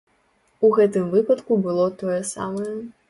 У гэтым выпадку было тое самае.